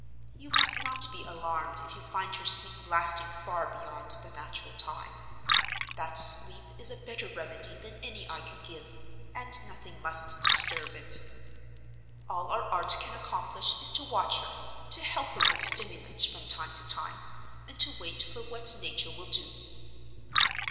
You must not be alarmed if you find her sleep lasting far beyond the natural time. That sleep is a better remedy than any I can give, and nothing must disturb it. All our art can accomplish is to watch her, to help her with stimulants from time to time, and to wait for what Nature will do."